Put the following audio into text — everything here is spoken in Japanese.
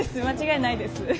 間違いないです。